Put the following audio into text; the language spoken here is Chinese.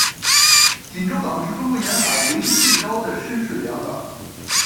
锦州港是中国沿海纬度最高的深水良港。